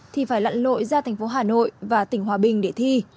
thì phải lặn lội ra thành phố hà nội và tỉnh hòa bình để thi